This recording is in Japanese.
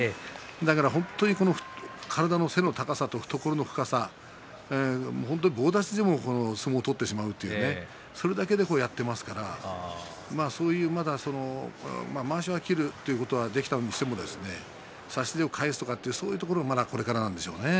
だから、本当に背の高さ、懐の深さ棒立ちでも相撲を取ってしまうというねそれだけでやっていますからそういう、まだまわしを切るということはできたとしても差し手を返す、そういうところはこれからなんでしょうね。